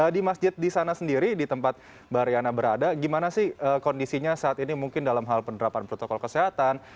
di masjid di sana sendiri di tempat mbak riana berada gimana sih kondisinya saat ini mungkin dalam hal penerapan protokol kesehatan